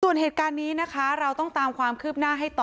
ส่วนเหตุการณ์นี้นะคะเราต้องตามความคืบหน้าให้ต่อ